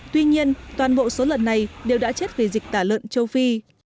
tuy nhiên toàn bộ số lợn này đều đã chết vì dịch tả lợn châu phi